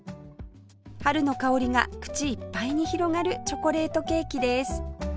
春の香りが口いっぱいに広がるチョコレートケーキです